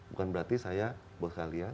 bukan berarti saya bos kalian